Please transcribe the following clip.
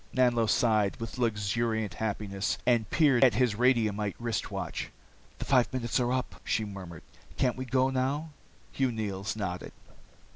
Nanlo sighed, with luxuriant happiness, and peered at his radiumite wrist watch. "The five minutes are up," she murmured. "Can't we go now?" Hugh Neils nodded.